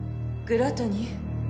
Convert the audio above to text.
グラトニー